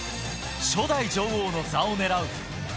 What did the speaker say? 初代女王の座をねらう。